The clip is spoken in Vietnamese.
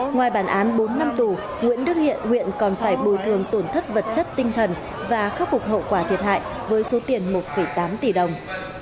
ngoài bản án bốn năm tù nguyễn đức hiện huyện còn phải bồi thường tổn thất vật chất tinh thần và khắc phục hậu quả thiệt hại với số tiền một tám tỷ đồng